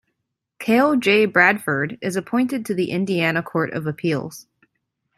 Cale J. Bradford is appointed to the Indiana Court of Appeals.